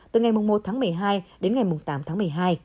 từ ngày một tháng một mươi hai đến ngày tám tháng một mươi hai